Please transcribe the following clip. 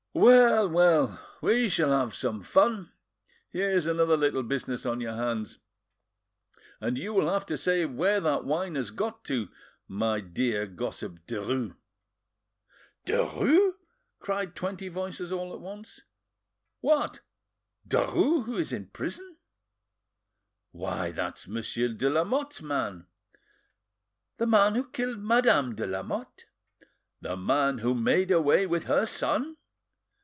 Well, well, we shall have some fun! Here's another little business on your hands, and you will have to say where that wine has got to, my dear gossip Derues." "Derues!" cried twenty voices all at once. "What! Derues who is in Prison?" "Why, that's Monsieur de Lamotte's man." "The man who killed Madame de Lamotte?" "The man who made away with her son?"